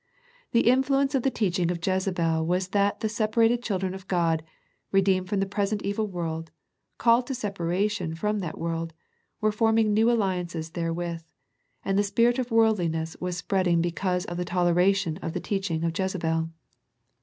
The influence of the teaching of Jezebel was that the separated! children of God, redeemed from the present evil world, called to separation from that world, were forming new alliances therewith, and the spirit of worldliness was spreading be cause of the toleration of the teaching of Jeze bel.